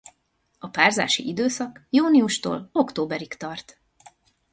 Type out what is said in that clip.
A párzási időszak júniustól októberig tart.